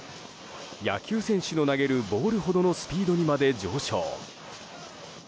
野球選手の投げるボールほどのスピードにまで上昇。